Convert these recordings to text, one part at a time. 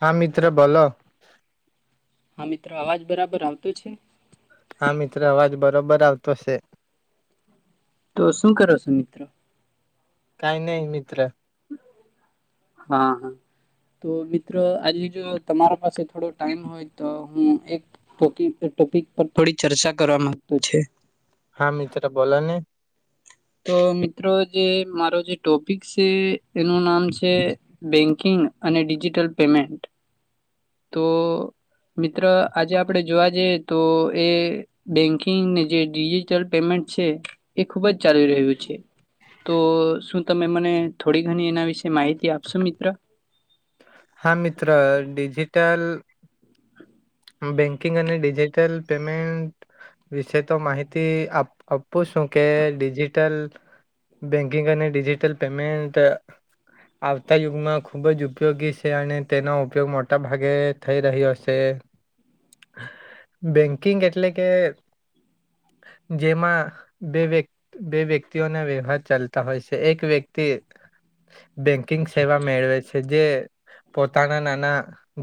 હા મિત્ર બોલો. હા મિત્રો આવાજ બરાબર આવતો છે? હા મિત્ર આવાજ બરોબર આવતો છે. તો શું કર છું મિત્ર. કઈ નહી મિત્ર. હા, હા. તો મિત્રો આજે જો તમારા પાસે થોડો ટાઈમ હોય તો હું એક ટોપિક પર થોડી ચર્ચા કરવા માંગત છે. હા મીત્ર બોલોને. તો મિત્રો જે મારો જે ટોપિક છે, એનું નામ છે બેંક કિગ અને ડિજિટલ પેમેન્ટ. તો મિત્ર આજે આપણેે જોવા જઈએ, તોએ બેંકિંગને જે ડિજિટલ પેમેન્ટ છે, એ ખુબ જ ચાલી રહ્યું છે. તો શું તમે મને થોડી ઘણી એના વિશે માહિતી આપશો મિત્ર. હા મિત્ર ડિજિટલ બેંકિંગ અને ડિજિટલ પેમેન્ટ વિશેતો માહિતી આપ આપું છું કે ડિજિટલ બેંકિંગ અને ડિજીિટલ પેમેન્ટ આવતા યુગમાં ખૂબ જ ઉપયોગી છે, અને તેનો ઉપયોગ મોટાભાગે થઈ રહ્યો હશે. બેંકિંગ એટલે કે જેમાં બે વ્યક્તિ બે વ્યક્તિઓના વ્યવહાર ચાલતા હોય છે એક વ્યક્તિ બેન્કિંગ સેવા મેળવે છે જે પોતાનાના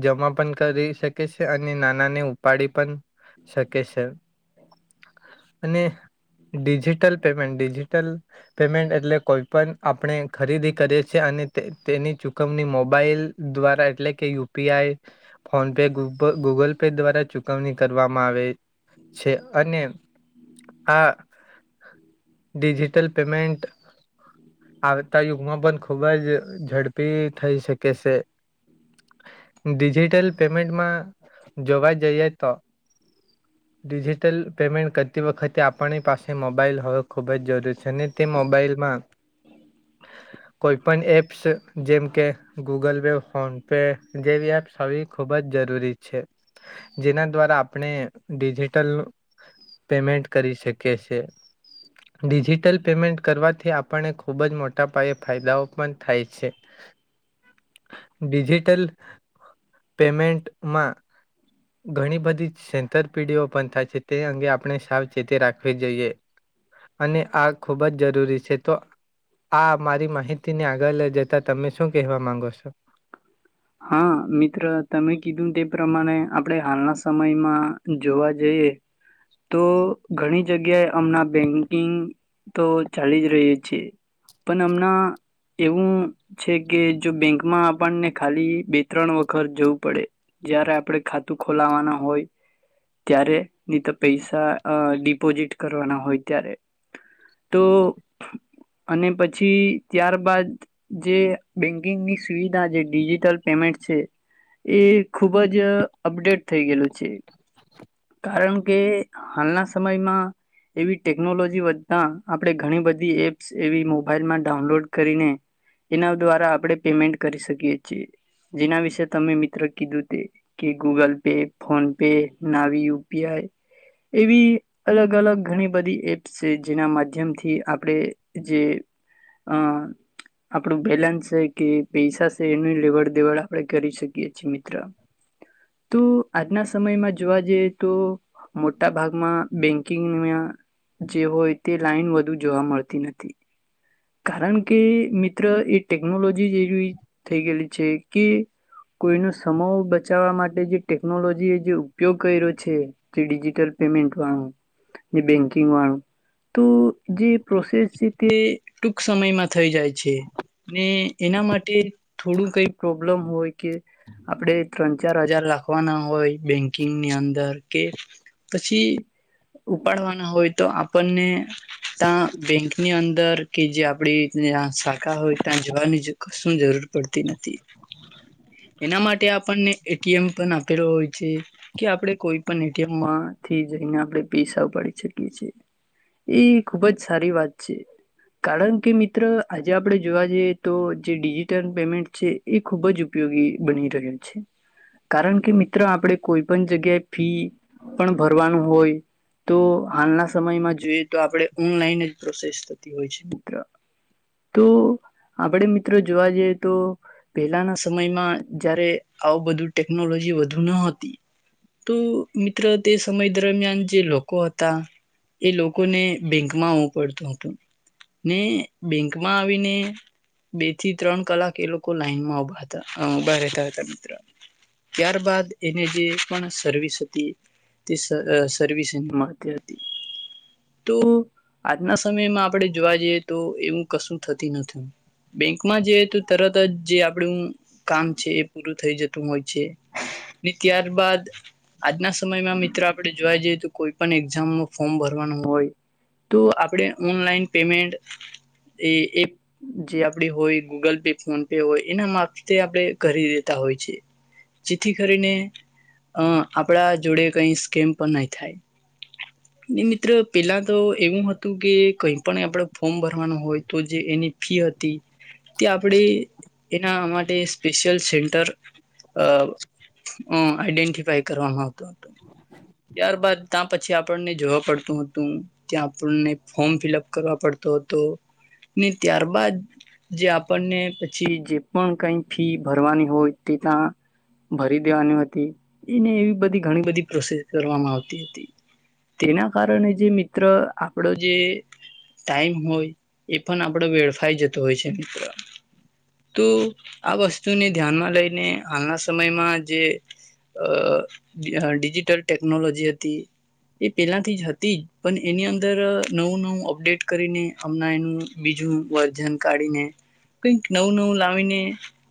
જમા પણ કરી શકે છે. અને નાના ને ઉપાડી પણ શકે છે, અને ડિજિટલ પેમેન્ટ ડિજિટલ પેમેન્ટ એટલે કોઈપણ આપણે ખરીદી કરીએ છીએ, અને તેની ચુકવણી મોબાઈલ દ્વારા એટલે કે U P I, PhonePe ગુ ગૂગલ પે દ્વારા ચૂકવણી કરવામાં આવે છે, અને આ ડિજિટલ પેમેન્ટ આવતા યુગમાં પણ ખુબ જ ઝડપી થઈ શકે છે. ડિજિટલ પેમેન્ટમાં જોવા જઈએતો. [inaudible] ડિજિટલ પેમેન્ટ કરતી વખતે આપણી પાસે મોબાઈલ હોવ ખૂબ જ જરૂરી છે, અને તે મોબાઈલમાં [inaudible] કોઈ પણ એપ્સ જેમ કે ગૂગલ પે ફોન પે જેવી એપ્સ હોવી ખૂબ જ જરૂરી છે, જેના દ્વારા આપણે ડિજિટલ પેમેન્ટ કરી શકે છે. ડિજિટલ પેમેન્ટ કરવાથી આપણને ખૂબ જ મોટા પાયે ફાયદાઓ પણ થાય છે. [inaudible] ડિજિટલ પેમેન્ટમાં ઘણી બધી સેંતર પેઢીઓ પણ થાય છે તે અંગે આપણે સાવચેતી રાખવી જોઈએ. અને આ ખૂબ જ જરૂરી છે, તો આ મારી માહિતી ને આગળ લઈ જતા તમે શું કહેવા માંગો છો, હા, મિત્ર તમે કીધું તે પ્રમાણે આપણે હાલના સમયમાં જોવા જઈએ, તો ઘણી જગ્યાએ હમણાં બેંકિંગ તો ચાલી જ રહી છે, પણ હમણાં એવું છે, કે જો બેંકમાં આપણને ખાલી બે ત્રણ વખત જવું પડે જયારે આપણે ખાતું ખોલાવાના હોય ત્યારેની તો પૈસા અ ડિપોઝિટ કરવાના હોય ત્યારે, તો અને પછી ત્યાર બાાદ જે બેંકિંગની સુવિધા જે ડિજિટલ પેમેન્ટ છે એ ખુબ જ અપડેટ થઈ ગયેલું છે. કારણ કે હાલના સમયમાં એવી ટેકનોલોજી વધતા આપણે ઘણી બધી એપ્સ એવી મોબાઈલમાં ડાઉનલોડ કરીને એના દ્વારા આપણે પેમેન્ટ કરી શકીએ છીએ, જેના વિશે તમે મિત્ર કીધું તે. કે ગૂગલ પે ફોન પે નાવી યુપીઆઈ એવી અલગ અલગ ઘણી બધી એપ્સ છે, જેના માધ્યમથી આપણે જે અ આપણું બેલેન્સ છે, કે પૈસા એનું લેવડ દેવડ આપણે કરી શકીએ છીએ મિત્ર તો આજના સમયમાં જોવા જઈએ તો મોટા ભાગ બેંકિંગમાં જે હોય તે લાઈન વધુ જોવા મળતી નથી કારણ કે મિત્ર એ ટેકનોલોજી એવી થઈ ગયેલી છે, કે કોઈનો સમૂહ બચાવવા માટે જે ટેકનોલોજી એ જે ઉપયોગ કર્યો છે, તે ડિજિટલ પેમેન્ટ વાળું જે બેંકિંગ વાળું તો જે પ્રોસેસ છે, તે ટૂંક સમયમાં થઈ જાય છે, ને એના માટે થોડું કઈ પ્રોબ્લેમ હોય કે આપડે ત્રણ ચાર હજાર લાખવાના હોય બેંકિંગની અંદર કે પછી ઉપાડવાના હોય તો આપણને ત્યા બેંકની અંદર કે જે આપડી ત્યાં શાખા હોય ત્યાં જવાની કશું જરૂર પડતી નથી. એના માટે આપણને એટીએમ પણ આપેલો હોય છે, કે આપણે કોઈ પણ એટીએમમાંથી જઈને આપણે પૈસા ઉપડી શકીએ છીએ. એ ખુબ જ સારી વાત છે, કારણ કે મિત્ર આજે આપડે જોવા જઈએ તો જે ડિજિટલ પેમેન્ટ છે. એ ખૂબ જ ઉપયોગી બની રહ્યો છે, કારણ કે મિત્રો આપણેે કોઈ પણ જગ્યાએ ફી પણ ભરવાનું હોય તો હાલના સમયમાં જોઈએ તો આપણે ઓનલાઈન જ પ્રોસેસ [unintelligible] તો આપડે મિત્રો જોવા જઈએ તો પહેલાના સમયમાં જયારે આવું બધું ટેકનોલોજી વધુ ન હતી. તો મિત્ર તે સમય દરમિયાન જે લોકો હતા એ લોકોને બેંકમાં આવવું પડતું હતું ને બેંકમાં આવીને બે થી ત્રણ કલાક એ લોકો લાઈનમાં ઉભા હતા ઉભા રહેતા હતા મિત્ર ત્યાર બાાદ એને જે પણ સર્વિસ હતી. તે સર્વિસ એને મળતી હતી તો આજના સમયમાં આપડે જોવા જઈએ તો એવું કશું થતી નથી બેંકમાં જેઈએ તો તરત જ જે આપણું કામ છે એ પૂરું થઈ જતું હોય છે, અને ત્યાર બાદ આજના સમયમાં મિત્રો આપણે જોવા જઈએ તો કોઈ પણ એક્ઝામ નું ફોર્મ ભરવાનું હોય તો આપણે ઓનલાઈન પેમેન્ટ એ એ જે આપડી હોય ગૂગલ પે ફોન પે હોય એના માફતે આપણે કરી દેતા હોય છે, જેથી કરીને અ આપણા જોડે કંઈ સ્કેમ પણ નહીં થાય. ને મિત્ર પેલા તો એવું હતું કે કઈ પણ આપણે ફોર્મ ભરવાનું હોય તો જે એની ફી હતી તે આપણે એના માટે સ્પેશિયલ સેન્ટર અ અ આઈડેન્ટિફાઈ કરવામાં આવતો હતો. ત્યારબાદ ત્યાં પછી આપણને જોવા પડતું હતું ત્યાં આપણને ફોર્મ ફિલઅપ કરવા પડતો હતો ને ત્યારબાદ જે આપણને પછી જે પણ કઈ ફી ભરવાની હોય તે ત્યાં ભરી દેવાની હતી એને એવી બધી ઘણી બધી પ્રોસેસ કરવામાં આવતી હતી. તેના કારણે જે મિત્ર આપણો જે ટાઈમ હોય એ પણ આપડો વેડફાઈ જતો હોય છે મિત્રો તો આ વસ્તુને ધ્યાનમાં લઈને હાલના સમયમાં જે અ ડિજિટલ ટેકનોલોજી હતી. એ પેલા થી જ હતી જ પણ એની અંદર નવું નવું અપડેટ કરીને હમણાં એનું બીજું વર્જન કાઢીને કઈક નવું નવું લાવીને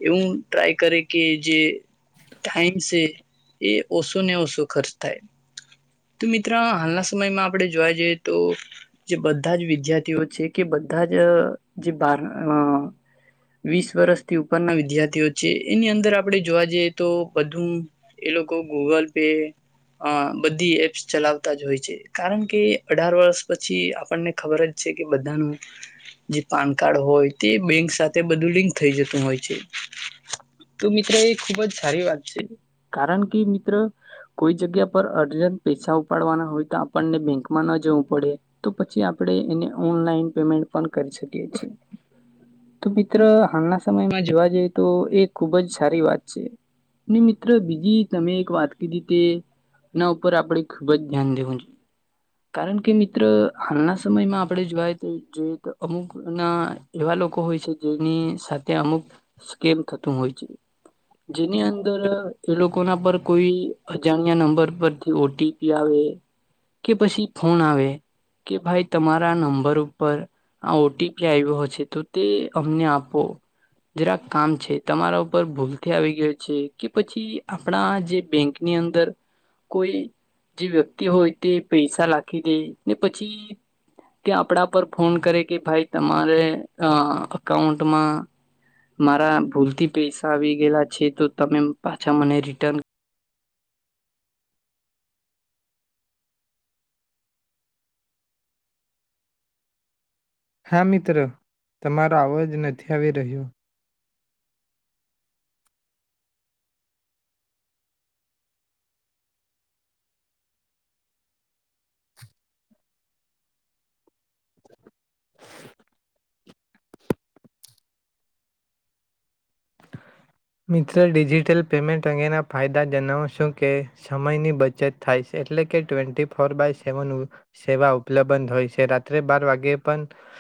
એવું ટ્રાય કરે કે જે ટાઈમ છે એ ઓછો ને ઓછો ખર્ચ થાય. તો મિત્ર હાલના સમયમાં આપણે જોવા જઈએ તો જે બધા જ વિદ્યાર્થીઓ છે કે બધા જ જે બાર વીસ વર્સથી ઉપરના વિદ્યાર્થીઓ છે એની અંદર આપડે જોવા જઈએ તો બધું એ લોકો ગૂગલ પે બધી એ ચલાવતા જ હોય છે કારણ કે અઢાર વર્ષ પછી આપણને ખબર જ છે કે બધાનું જે પાન કાર્ડ હોય તે બેંક સાથે બધું લિંક થઈ જતું હોય છે. તો મિત્ર એ ખુબ જ સારી વાત છે. કારણ કે મિત્ર કોઈ જગ્યા પર અર્જન પૈસા ઉપાડવાના હોય તો આપણને બેંકમાં ન જવું પડે તો પછી આપણે એને ઓનલાઈન પેમેન્ટ પણ કરી શકીએ છીએ તો મિત્ર હાલના સમયમાં જોવા જઈએ તો એ ખુબ જ સારી વાત છે. ને મિત્ર બીજી તમે એક વાત કીધી તેના ઉપર આપડે ખુબ જ ધ્યાન દેવું છે. કારણ કે મિત્ર હાલના સમયમાં આપણે જોવાએ તો અમુક ના એવા લોકો હોય છે જેની સાથે અમુક સ્કેમ થતું હોય છે. જેની અંદર એ લોકો ના પર કોઈ અજાણ્યા નંબર પર ઓટીપી આવે કે પછી ફોન આવે કે ભાઈ તમારા નંબર ઉપર આ ઓટીપી આવ્યો હશે તો તે અમને આપો જરાક કામ છે તમારા ઉપર ભૂલથી આવી ગયું છે કે પછી આપણા જે બેંક ની અંદર કોઈ જે વ્યક્તિ હોય તે પૈસા લખી દે ને પછી તે આપણા પર ફોન કરે કે ભાઈ તમારે અ અકાઉન્ટમાં મારા ભૂલથી પૈસા આવી ગયેલા છે તો તમે પાછા મને રિટર્ન હા મિત્ર તમારો અવાજ નથી આવી રહ્યોર [inaudible] મિત્રો ડિજિટલ પેમેન્ટ અંગેના ફાયદા જણાવો શું કહે સમયની બચત થાય છે એટલે કે ટ્વેન્ટી ફોર બાય સેવન સેવા ઉપલબ્ધ હોય છે રાત્રે બાર વાગ્યે પણ